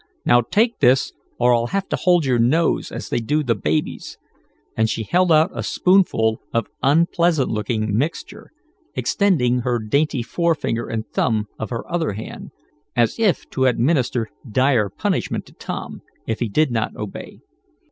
Now take this or I'll have to hold your nose, as they do the baby's," and she held out a spoonful of unpleasant looking mixture, extending her dainty forefinger and thumb of her other hand, as if to administer dire punishment to Tom, if he did not obey.